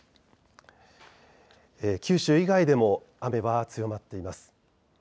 九州以外でも雨は強まっています。